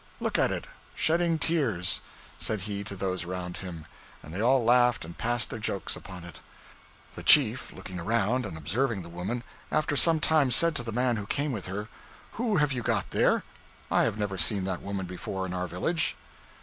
look at it shedding tears,' said he to those around him; and they all laughed and passed their jokes upon it. The chief, looking around, and observing the woman, after some time said to the man who came with her: 'Who have you got there? I have never seen that woman before in our village.'